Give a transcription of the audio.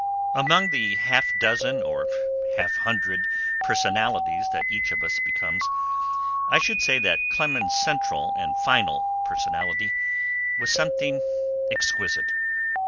Among the half dozen, or half hundred, personalities that each of us becomes, I should say that Clemens's central and final personality was something exquisite.